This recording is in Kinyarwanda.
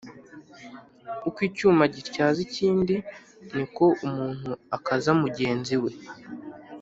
uko icyuma gityaza ikindi ni ko umuntu akaza mugenzi we